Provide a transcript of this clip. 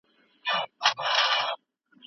خیر محمد په خپلو قدمونو کې د ستړیا نښې لرلې.